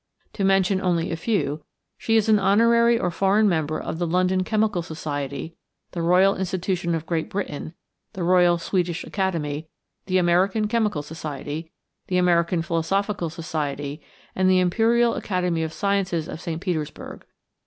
To mention only a few, she is an honorary or foreign member of the London Chemical Society, the Royal Institution of Great Britain, the Royal Swedish Academy, the American Chemical Society, the American Philosophical Society, and the Imperial Academy of Sciences of St. Petersburg.